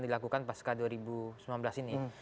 dilakukan pasca dua ribu sembilan belas ini